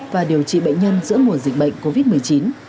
và điều trị bệnh nhân giữa mùa dịch bệnh covid một mươi chín